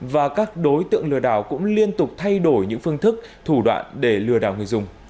và các đối tượng lừa đảo cũng liên tục thay đổi những phương thức thủ đoạn để lừa đảo người dùng